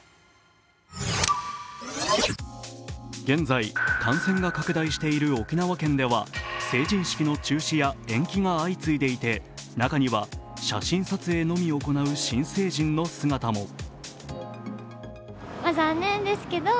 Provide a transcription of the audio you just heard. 現在、感染が拡大している沖縄県では成人式の中止や延期が相次いでいて中には写真撮影のみ行う新成人の姿も。